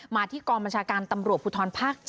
ที่กองบัญชาการตำรวจภูทรภาค๗